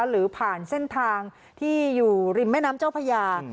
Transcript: หรือผ่านเส้นทางที่อยู่ริมแม่น้ำเจ้าพญา